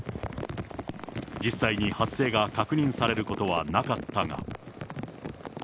実際に発生が確認されることはなかったが。